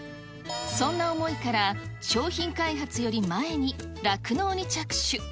そんな思いから、商品開発より前に、酪農に着手。